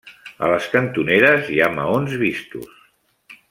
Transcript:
A les cantoneres hi ha maons vistos.